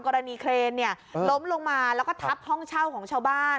กรณีเครนล้มลงมาแล้วก็ทับห้องเช่าของชาวบ้าน